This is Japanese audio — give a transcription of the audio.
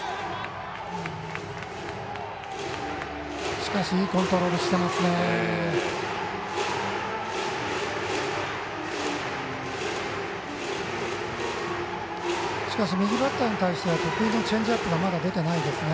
しかし、いいコントロールしてますね。